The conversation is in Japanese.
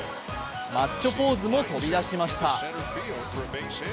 マッチョポーズも飛び出しました。